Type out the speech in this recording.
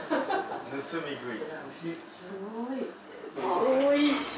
おいしい！